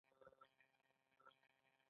جامې په یو ځل اغوستلو نه تنګیږي.